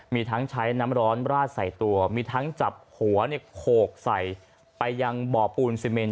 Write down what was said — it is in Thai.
มีทั้งใช้น้ำร้อนราดใส่ตัวมีทั้งจับหัวโขกใส่ไปยังบ่อปูนซีเมน